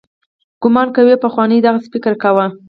ګومان کوي پخوانو دغسې فکر کاوه.